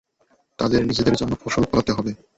তাদের নিজেদের জন্য ফসল ফলাতে হবে।